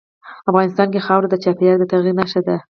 افغانستان کې خاوره د چاپېریال د تغیر نښه ده.